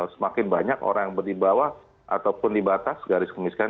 semakin banyak orang yang berdibawah ataupun dibatas garis kemiskinan